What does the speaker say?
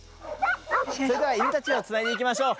それでは犬たちをつないでいきましょう。